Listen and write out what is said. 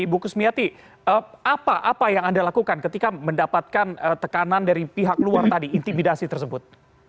ibu kusmiati apa apa yang anda lakukan ketika mendapatkan tekanan dari pihak luar tadi intimidasi tersebut